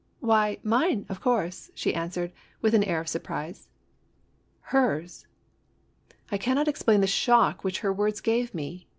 Why, mine, of course !" she answered, with an air of surprise. Hers! I cannot explain the shock which her words gave me.